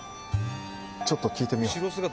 ちょっと聞いてみよう。